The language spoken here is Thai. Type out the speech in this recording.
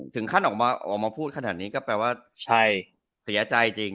ถึงขั้นออกมาออกมาพูดขนาดนี้ก็แปลว่าใช่เสียใจจริง